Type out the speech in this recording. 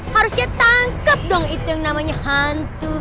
harusnya tangkap dong itu yang namanya hantu